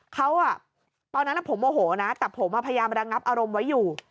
เขาตอนนั้นผมโมโหนะแต่ผมพยายามระงับอารมณ์ไว้อยู่